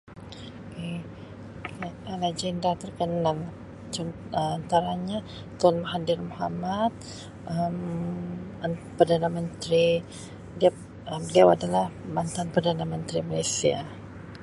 [unintelligible] Lagenda terkenal con Um antaranya Tun Mahathir Mohamad Um perdana menteri dip beliau adalah mantan perdana menteri Malaysia.